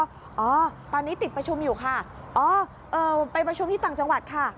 อ๋อตอนนี้ติดประชุมอยู่ค่ะอ๋อเอ่อไปประชุมที่ต่างจังหวัดค่ะ